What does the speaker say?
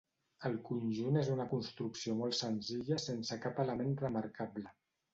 El conjunt és una construcció molt senzilla sense cap element remarcable.